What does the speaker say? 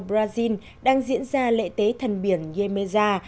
brazil đang diễn ra lễ tế thần biển yemeja